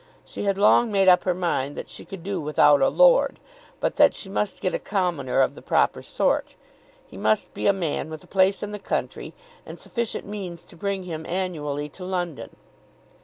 She had long made up her mind that she could do without a lord, but that she must get a commoner of the proper sort. He must be a man with a place in the country and sufficient means to bring him annually to London.